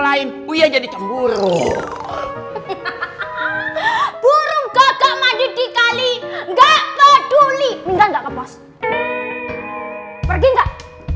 lain uya jadi cemburu burung gagak mandi dikali nggak peduli minta enggak kepas pergi enggak